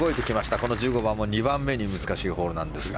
この１５番も２番目に難しいホールなんですが。